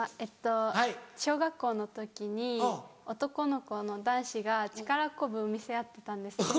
小学校の時に男の子の男子が力こぶを見せ合ってたんですけど。